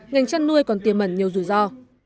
ngành chăn nuôi còn tiềm mẩn nhiều rủi ro